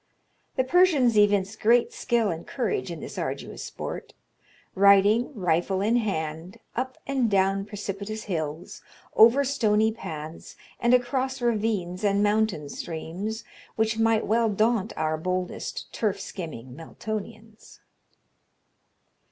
The Persians evince great skill and courage in this arduous sport; riding, rifle in hand, up and down precipitous hills, over stony paths, and across ravines and mountain streams, which might well daunt our boldest turf skimming Meltonians.